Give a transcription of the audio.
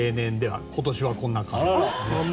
今年はこんな感じ。